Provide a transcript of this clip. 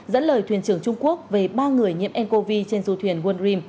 dẫn lời thuyền trưởng trung quốc về ba người nhiễm ncov trên du thuyền one rim